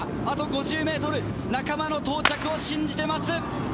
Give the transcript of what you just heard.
あと５０ｍ仲間の到着を信じて待つ！